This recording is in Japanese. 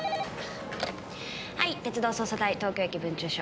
はい鉄道捜査隊東京駅分駐所。